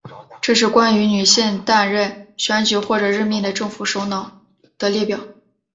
这是关于女性担任选举或者任命的政府首脑的列表。